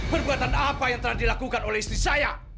perbuatan apa yang telah dilakukan oleh istri saya